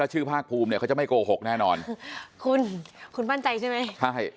ชื่อภาคภูมิเนี่ยเขาจะไม่โกหกแน่นอนคุณคุณมั่นใจใช่ไหมใช่